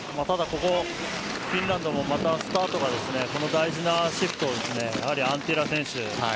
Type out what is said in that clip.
ただ、ここはフィンランドもまたスタートがこの大事なシフトをやはりアンティラ選手